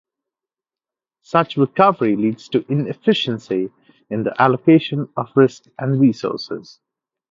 Such recovery leads to inefficiency in the allocation of risk and resources.